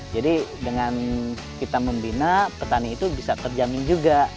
jadi dengan kita membina petani itu bisa terjamin juga